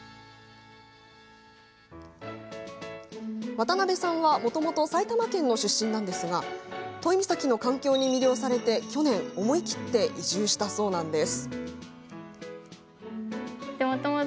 渡邉さんはもともと埼玉県の出身なんですが都井岬の環境に魅了されて、去年思い切って移住したそうなんです。